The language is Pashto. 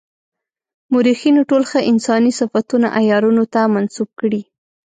مورخینو ټول ښه انساني صفتونه عیارانو ته منسوب کړي.